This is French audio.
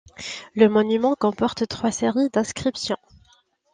Le monument comporte trois séries d'inscriptions.